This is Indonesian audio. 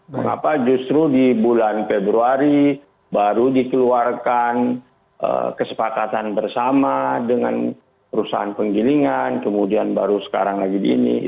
mengapa justru di bulan februari baru dikeluarkan kesepakatan bersama dengan perusahaan penggilingan kemudian baru sekarang lagi di ini